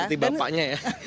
seperti bapaknya ya